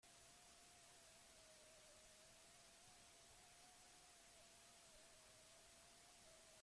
Abade alferra bazara, ezer egin barik bizi zintezke.